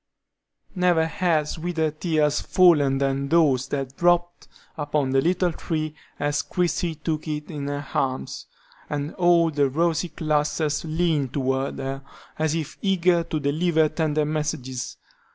Never had sweeter tears fallen than those that dropped upon the little tree as Christie took it in her arms, and all the rosy clusters leaned toward her as if eager to deliver tender messages.